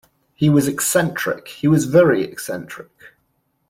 He was eccentric — he was very eccentric.